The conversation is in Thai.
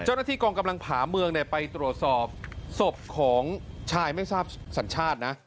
เจ้าหน้าที่กองกำลังผาเมืองไปตรวจสอบศพของชายไม่ทราบสัญชาตินะ